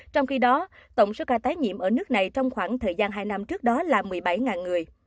trong khi đó tổng số ca tái nhiễm ở nước này trong khoảng thời gian hai năm trước đó là một mươi bảy người